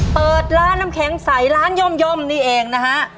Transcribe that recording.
เปิดร้านน้ำแข็งใสร้านย่อมนี่เองนะฮะ